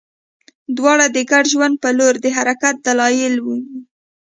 دواړه د ګډ ژوند په لور د حرکت دلایل وي.